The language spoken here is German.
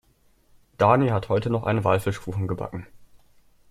Dani hat heute noch einen Walfischkuchen gebacken.